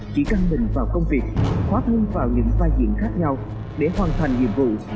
chỉ căng mình vào công việc khóa thương vào những vai diện khác nhau để hoàn thành nhiệm vụ